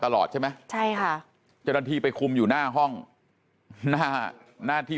ตลอดใช่ไหมใช่ค่ะเจ้าหน้าที่ไปคุมอยู่หน้าห้องหน้าหน้าที่